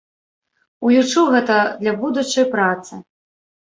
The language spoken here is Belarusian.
Улічу гэта для будучай працы.